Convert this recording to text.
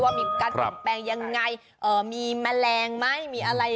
ว่ามีการแปลงยังไงมีแมลงไหมมีอะไร